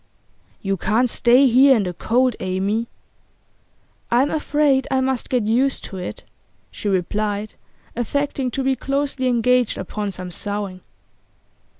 'You can't stay here in the cold, Amy.' 'I'm afraid I must get used to it,' she replied, affecting to be closely engaged upon some sewing.